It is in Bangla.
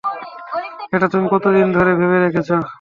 এটা তুমি কতদিন ধরে ভেবে রেখেছ?